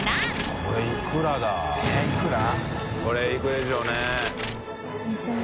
海いくでしょうね。